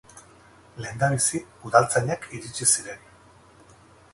Lehendabizi udaltzainak iritsi ziren.